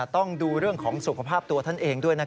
ต้องดูเรื่องของสุขภาพตัวท่านเองด้วย